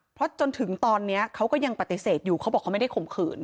เพราะจนถึงตอนนี้เขาก็ยังปฏิเสธอยู่เขาบอกเขาไม่ได้ข่มขืน